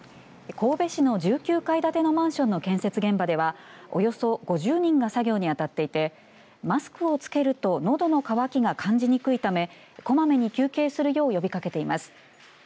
神戸市の１９階建てのマンションの建設現場ではおよそ５０人が作業にあたっていてマスクをつけるとのどの渇きが感じにくいためこまめに休憩するよう呼びかけています。